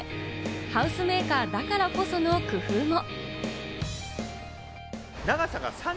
ハウスメーカーだからこその工夫も。